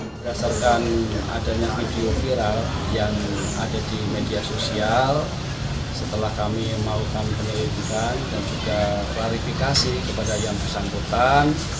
berdasarkan adanya video viral yang ada di media sosial setelah kami melakukan penyelidikan dan juga klarifikasi kepada yang bersangkutan